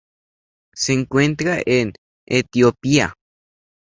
Se encuentra en Etiopía.